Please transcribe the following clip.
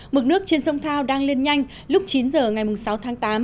mực nước trên sông thao đang lên nhanh lúc chín giờ ngày sáu tháng tám